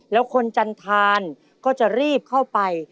แล้วคนจันทานก็จะรีบเข้าไป